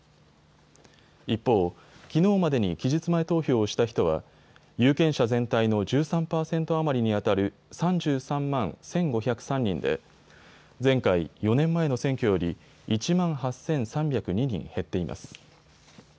一方、きのうまでに期日前投票をした人は有権者全体の１３％余りにあたる３３万１５０３人で前回４年前の選挙より１万８３０２人減っています。